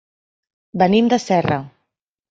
Venim de Serra.